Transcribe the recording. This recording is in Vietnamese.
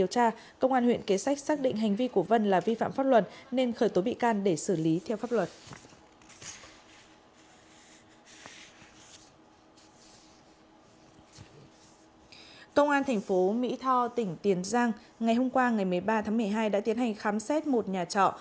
công an thành phố mỹ tho tỉnh tiền giang ngày hôm qua ngày một mươi ba tháng một mươi hai đã tiến hành khám xét một nhà trọ